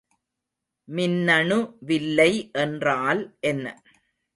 மின்னணு வில்லை என்றால் என்ன?